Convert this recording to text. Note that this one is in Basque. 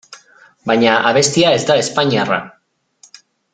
Baina abestia ez da espainiarra.